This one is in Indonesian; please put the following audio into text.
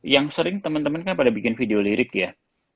yang sering teman teman kan pada bikin video lirik ya